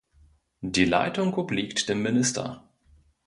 Die Leitung obliegt dem Minister.